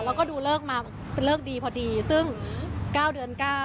แล้วก็ดูเลิกมาเป็นเลิกดีพอดีซึ่ง๙เดือน๙